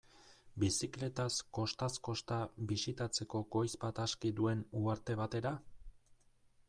Bizikletaz kostaz-kosta bisitatzeko goiz bat aski duen uharte batera?